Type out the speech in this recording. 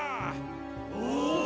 お！